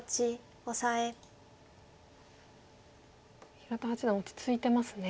平田八段落ち着いてますね。